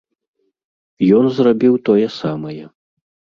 Ён зрабіў тое самае.